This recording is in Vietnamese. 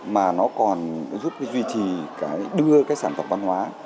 mà nó còn giúp duy trì cái đưa cái sản phẩm văn hóa